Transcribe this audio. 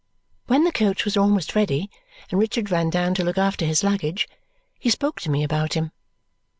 When the coach was almost ready and Richard ran down to look after his luggage, he spoke to me about him.